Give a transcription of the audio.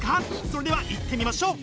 それではいってみましょう！